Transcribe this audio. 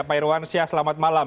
pak irwan syah selamat malam